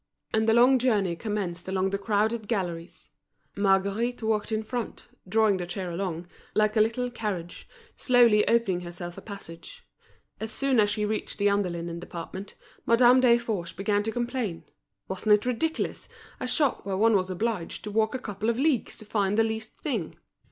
And the long journey commenced along the crowded galleries. Marguerite walked in front, drawing the chair along, like a little carriage, slowly opening herself a passage. As soon as she reached the under linen department, Madame Desforges began to complain: wasn't it ridiculous, a shop where one was obliged to walk a couple of leagues to find the least thing!